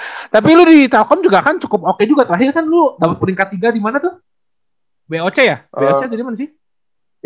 hehehe tapi lu di telkom juga kan cukup oke juga terakhir kan lu dapet peringkat tiga di mana tuh boc ya boc di mana sih